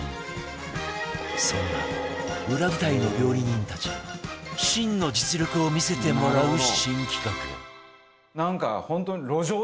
そんな裏舞台の料理人たちの真の実力を見せてもらう新企画なんか本当に。